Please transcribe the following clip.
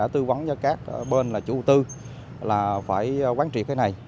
tư vấn cho các bên là chủ đầu tư là phải quán triệt cái này